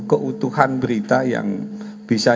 keutuhan berita yang bisa